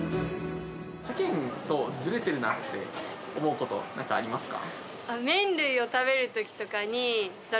世間とズレてるなって思うこと何かありますか？